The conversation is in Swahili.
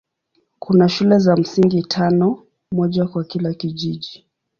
Kuna shule za msingi tano, moja kwa kila kijiji.